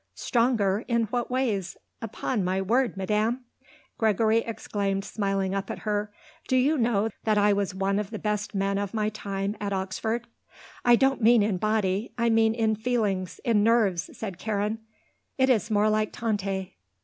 "Stronger? In what ways? Upon my word, Madam!" Gregory exclaimed smiling up at her, "Do you know that I was one of the best men of my time at Oxford?" "I don't mean in body, I mean in feelings, in nerves," said Karen. "It is more like Tante."